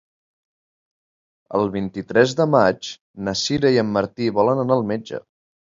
El vint-i-tres de maig na Sira i en Martí volen anar al metge.